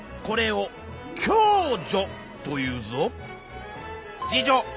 これを共助というぞ。